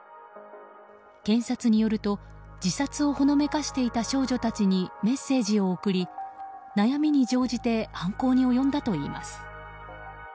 検察によると自殺をほのめかしていた少女たちにメッセージを送り、悩みに乗じて犯行に及んだといいます。